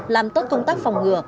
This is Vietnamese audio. làm tốt công tác phòng ngừa